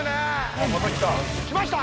あっ、また来た。